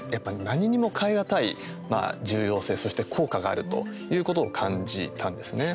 何にも代えがたい重要性そして効果があるということを感じたんですね。